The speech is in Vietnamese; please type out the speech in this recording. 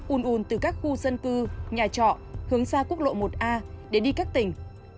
un un từ các khu dân cư nhà trọ hướng xa quốc lộ một a để đi các tỉnh